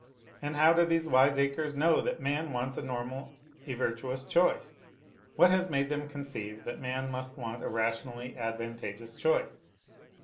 And how do these wiseacres know that man wants a normal, a virtuous choice ? What has made them conceive that man must want a rationally advantageous choice